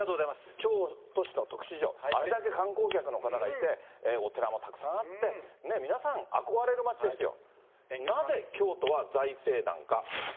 京都市の特殊事情、あれだけ観光客の方がいて、お寺もたくさんあって、皆さん憧れる街ですよ、なぜ京都は財政難か。